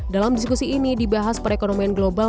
dalam diskusi ini dibahas perekonomian global